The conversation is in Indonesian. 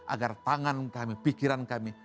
agar tangan kami pikiran kami